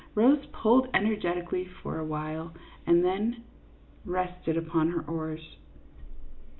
Rose pulled energetically for a while and then rested upon her oars.